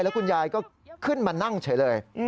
แล้วคุณยายก็ขึ้นมานั่งเฉยเลย